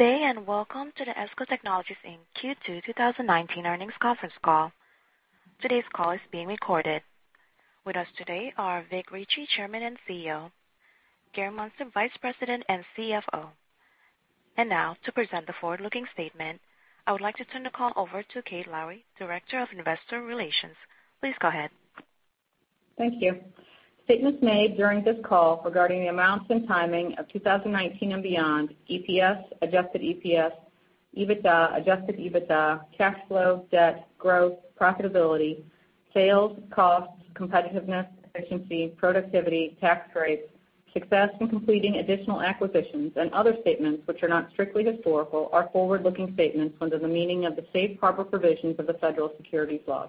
Good day, and welcome to the ESCO Technologies Inc. Q2 2019 earnings Conference Call. Today's call is being recorded. With us today are Vic Richey, Chairman and CEO. Gary Muenster, Vice President and CFO. And now, to present the forward-looking statement, I would like to turn the call over to Kate Lowrey, Director of Investor Relations. Please go ahead. Thank you. Statements made during this call regarding the amounts and timing of 2019 and beyond, EPS, adjusted EPS, EBITDA, adjusted EBITDA, cash flow, debt, growth, profitability, sales, costs, competitiveness, efficiency, productivity, tax rates, success in completing additional acquisitions and other statements which are not strictly historical, are forward-looking statements under the meaning of the safe harbor provisions of the federal securities laws.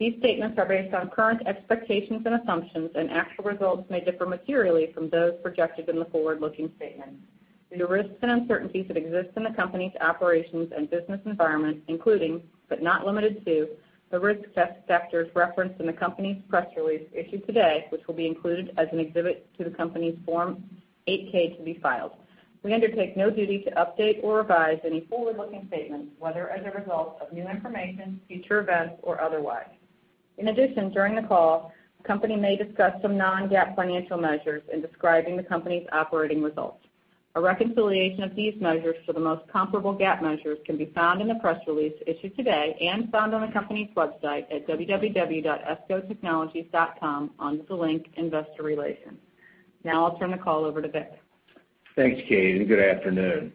These statements are based on current expectations and assumptions, and actual results may differ materially from those projected in the forward-looking statements. Due to risks and uncertainties that exist in the company's operations and business environment, including, but not limited to, the risk factors referenced in the company's press release issued today, which will be included as an exhibit to the company's Form 8-K to be filed. We undertake no duty to update or revise any forward-looking statements, whether as a result of new information, future events, or otherwise. In addition, during the call, the company may discuss some non-GAAP financial measures in describing the company's operating results. A reconciliation of these measures to the most comparable GAAP measures can be found in the press release issued today and found on the company's website at www.escotechnologies.com, under the link Investor Relations. Now I'll turn the call over to Vic. Thanks, Kate, and good afternoon.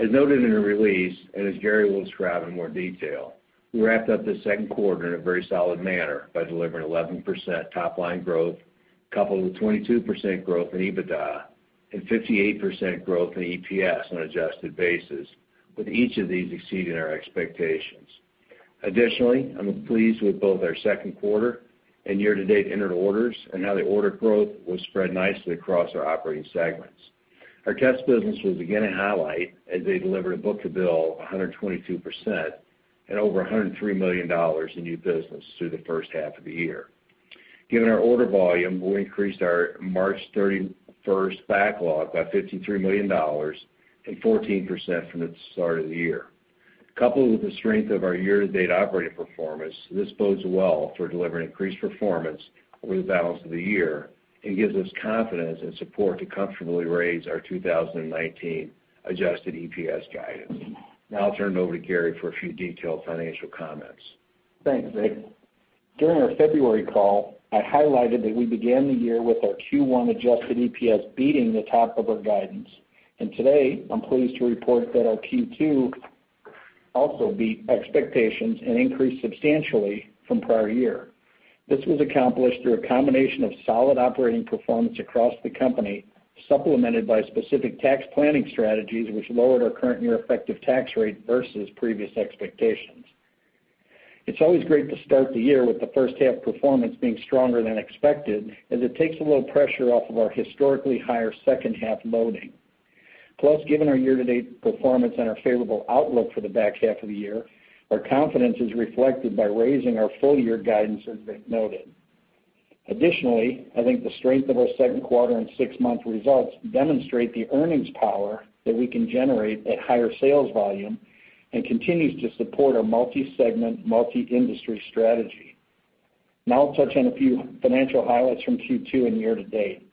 As noted in the release, and as Gary will describe in more detail, we wrapped up the second quarter in a very solid manner by delivering 11% top line growth, coupled with 22% growth in EBITDA and 58% growth in EPS on an adjusted basis, with each of these exceeding our expectations. Additionally, I'm pleased with both our second quarter and year-to-date entered orders, and how the order growth was spread nicely across our operating segments. Our test business was again a highlight, as they delivered a book-to-bill 122% and over $103 million in new business through the first half of the year. Given our order volume, we increased our March 31 backlog by $53 million and 14% from the start of the year. Coupled with the strength of our year-to-date operating performance, this bodes well for delivering increased performance over the balance of the year and gives us confidence and support to comfortably raise our 2019 Adjusted EPS guidance. Now I'll turn it over to Gary for a few detailed financial comments. Thanks, Vic. During our February call, I highlighted that we began the year with our Q1 adjusted EPS beating the top of our guidance. Today, I'm pleased to report that our Q2 also beat expectations and increased substantially from prior year. This was accomplished through a combination of solid operating performance across the company, supplemented by specific tax planning strategies, which lowered our current year effective tax rate versus previous expectations. It's always great to start the year with the first half performance being stronger than expected, as it takes a little pressure off of our historically higher second half loading. Plus, given our year-to-date performance and our favorable outlook for the back half of the year, our confidence is reflected by raising our full year guidance, as Vic noted. Additionally, I think the strength of our second quarter and six-month results demonstrate the earnings power that we can generate at higher sales volume and continues to support our multi-segment, multi-industry strategy. Now I'll touch on a few financial highlights from Q2 and year to date.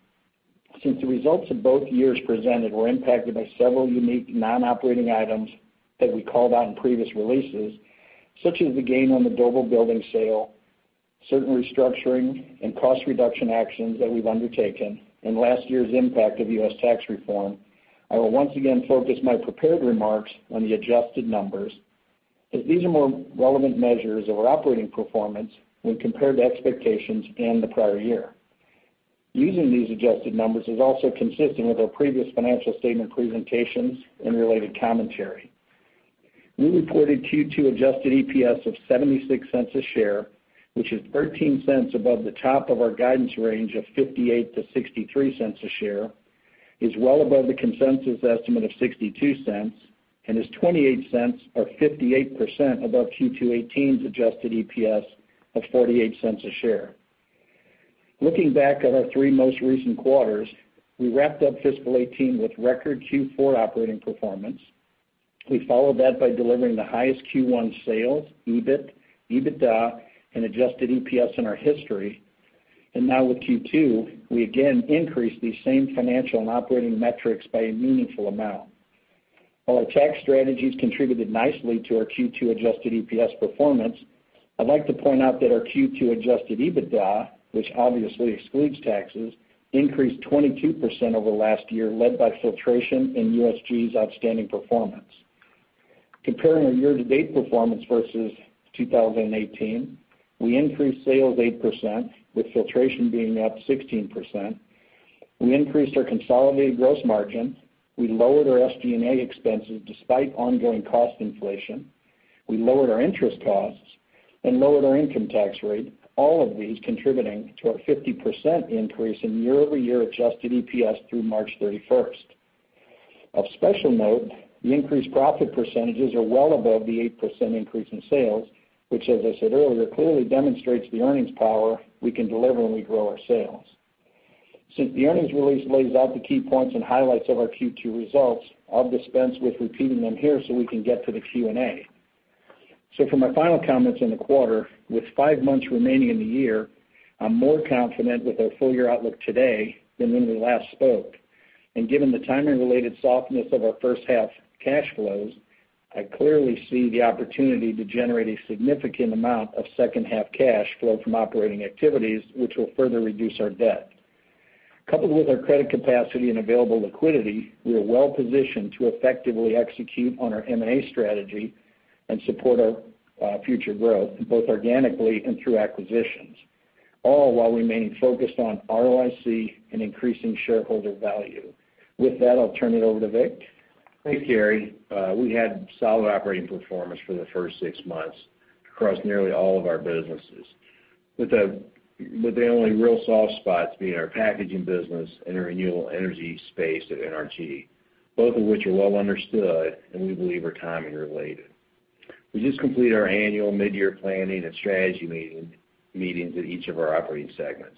Since the results of both years presented were impacted by several unique non-operating items that we called out in previous releases, such as the gain on the Doble building sale, certain restructuring and cost reduction actions that we've undertaken, and last year's impact of U.S. tax reform, I will once again focus my prepared remarks on the adjusted numbers, as these are more relevant measures of our operating performance when compared to expectations and the prior year. Using these adjusted numbers is also consistent with our previous financial statement presentations and related commentary. We reported Q2 adjusted EPS of $0.76 per share, which is 13 cents above the top of our guidance range of $0.58-$0.63 per share, is well above the consensus estimate of $0.62, and is 0.28 or 58% above Q2 2018's adjusted EPS of $0.48 per share. Looking back at our three most recent quarters, we wrapped up fiscal 2018 with record Q4 operating performance. We followed that by delivering the highest Q1 sales, EBIT, EBITDA, and adjusted EPS in our history. Now with Q2, we again increased these same financial and operating metrics by a meaningful amount. While our tax strategies contributed nicely to our Q2 adjusted EPS performance, I'd like to point out that our Q2 adjusted EBITDA, which obviously excludes taxes, increased 22% over last year, led by Filtration and USG's outstanding performance. Comparing our year-to-date performance versus 2018, we increased sales 8%, with Filtration being up 16%. We increased our consolidated gross margin, we lowered our SG&A expenses despite ongoing cost inflation, we lowered our interest costs and lowered our income tax rate, all of these contributing to our 50% increase in year-over-year adjusted EPS through 31st March. Of special note, the increased profit percentages are well above the 8% increase in sales, which, as I said earlier, clearly demonstrates the earnings power we can deliver when we grow our sales Since the earnings release lays out the key points and highlights of our Q2 results, I'll dispense with repeating them here so we can get to the Q&A. So for my final comments on the quarter, with five months remaining in the year, I'm more confident with our full year outlook today than when we last spoke. And given the timing-related softness of our first half cash flows, I clearly see the opportunity to generate a significant amount of second half cash flow from operating activities, which will further reduce our debt. Coupled with our credit capacity and available liquidity, we are well positioned to effectively execute on our M&A strategy and support our future growth, both organically and through acquisitions, all while remaining focused on ROIC and increasing shareholder value. With that, I'll turn it over to Vic. Thanks, Gary. We had solid operating performance for the first six months across nearly all of our businesses, with the only real soft spots being our packaging business and our renewable energy space at NRG, both of which are well understood, and we believe are timing related. We just completed our annual midyear planning and strategy meetings at each of our operating segments.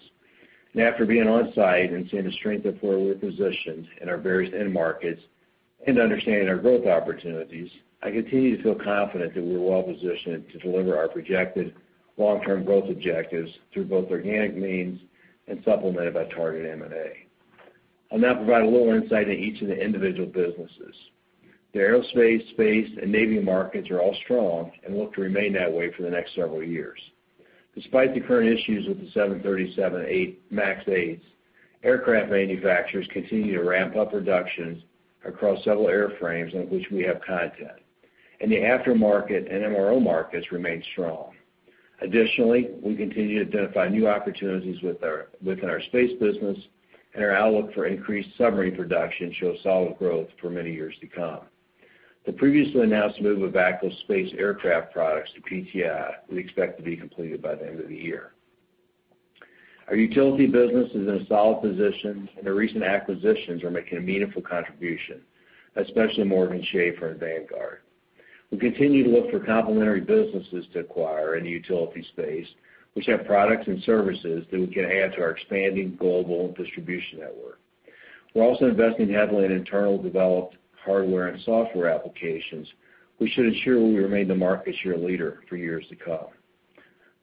After being on site and seeing the strength of where we're positioned in our various end markets and understanding our growth opportunities, I continue to feel confident that we're well positioned to deliver our projected long-term growth objectives through both organic means and supplemented by targeted M&A. I'll now provide a little insight into each of the individual businesses. The aerospace, space and Navy markets are all strong and look to remain that way for the next several years. Despite the current issues with the 737 MAX 8, aircraft manufacturers continue to ramp up roductions across several airframes on which we have content, and the aftermarket and MRO markets remain strong. Additionally, we continue to identify new opportunities within our space business, and our outlook for increased summary production shows solid growth for many years to come. The previously announced move of VACCO space aircraft products to PTI, we expect to be completed by the end of the year. Our utility business is in a solid position, and our recent acquisitions are making a meaningful contribution, especially Morgan Schaffer and Vanguard. We continue to look for complementary businesses to acquire in the utility space, which have products and services that we can add to our expanding global distribution network. We're also investing heavily in internal developed hardware and software applications, which should ensure we remain the market share leader for years to come.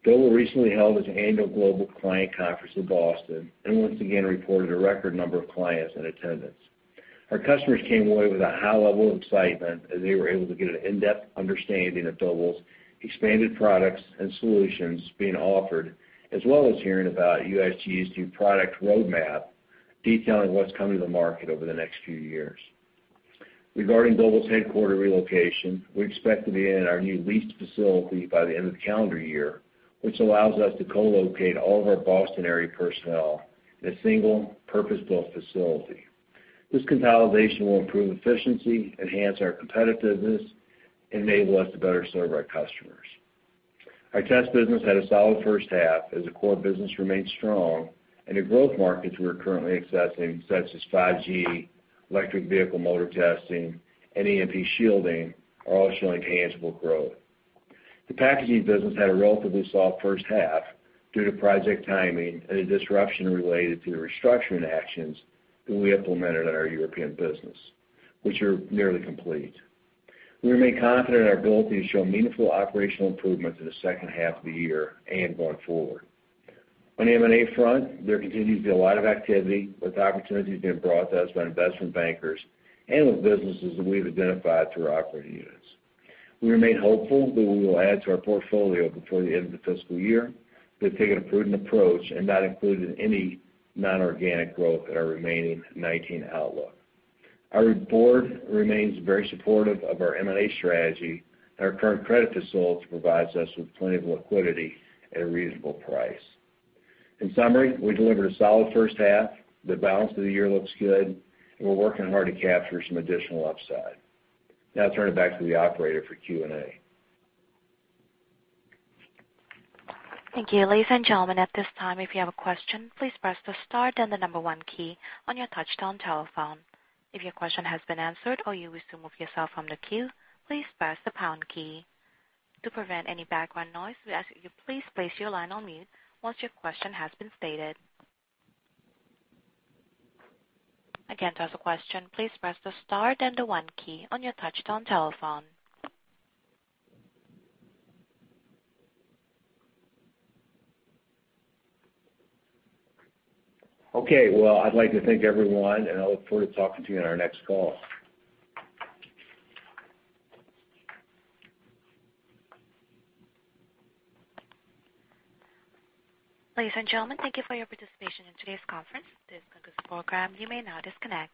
Doble recently held its annual global client conference in Boston, and once again reported a record number of clients in attendance. Our customers came away with a high level of excitement, as they were able to get an in-depth understanding of Doble's expanded products and solutions being offered, as well as hearing about USG's new product roadmap, detailing what's coming to the market over the next few years. Regarding Doble's headquarters relocation, we expect to be in our new leased facility by the end of the calendar year, which allows us to co-locate all of our Boston area personnel in a single purpose-built facility. This consolidation will improve efficiency, enhance our competitiveness, and enable us to better serve our customers. Our test business had a solid first half, as the core business remained strong, and the growth markets we're currently accessing, such as 5G, electric vehicle motor testing, and EMP shielding, are all showing tangible growth. The packaging business had a relatively soft first half due to project timing and a disruption related to the restructuring actions that we implemented on our European business, which are nearly complete. We remain confident in our ability to show meaningful operational improvements in the second half of the year and going forward. On the M&A front, there continues to be a lot of activity, with opportunities being brought to us by investment bankers and with businesses that we've identified through our operating units. We remain hopeful that we will add to our portfolio before the end of the fiscal year, but have taken a prudent approach and not included any nonorganic growth in our remaining 2019 outlook. Our board remains very supportive of our M&A strategy, and our current credit facility provides us with plenty of liquidity at a reasonable price. In summary, we delivered a solid first half. The balance of the year looks good, and we're working hard to capture some additional upside. Now I'll turn it back to the operator for Q&A. Thank you. Ladies and gentlemen, at this time, if you have a question, please press the star then the number 1 key on your touchtone telephone. If your question has been answered or you wish to remove yourself from the queue, please press the pound key. To prevent any background noise, we ask that you please place your line on mute once your question has been stated. Again, to ask a question, please press the star then the one key on your touchtone telephone. Okay, well, I'd like to thank everyone, and I look forward to talking to you on our next call. Ladies and gentlemen, thank you for your participation in today's conference. This concludes the program. You may now disconnect.